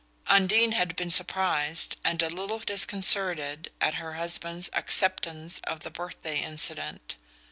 Undine had been surprised, and a little disconcerted, at her husband's acceptance of the birthday incident.